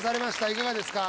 いかがですか？